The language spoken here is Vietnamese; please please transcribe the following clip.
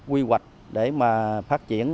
quy hoạch để mà phát triển